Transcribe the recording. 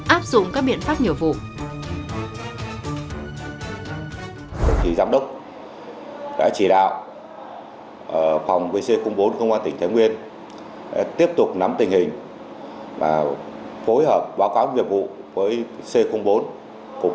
áp dụng các biện pháp nhiệm vụ